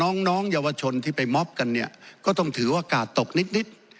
น้องน้องเยาวชนที่ไปมอบกันเนี่ยก็ต้องถือว่ากาดตกนิดนิด